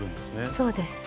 そうです。